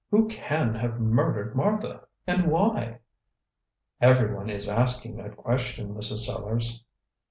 Who can have murdered Martha? and why?" "Everyone is asking that question, Mrs. Sellars."